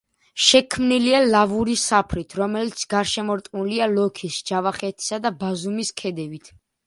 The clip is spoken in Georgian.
შექმნილია ლავური საფრით, რომელიც გარშემორტყმულია ლოქის, ჯავახეთისა და ბაზუმის ქედებით.